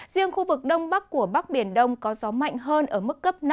riêng khu vực đông bắc của bắc biển đông có gió mạnh hơn ở mức cấp năm